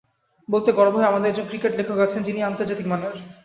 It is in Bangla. বলতে গর্ব হয়, আমাদের একজন ক্রিকেট লেখক আছেন, যিনিও আন্তর্জাতিক মানের।